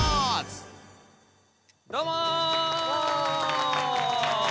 どうも！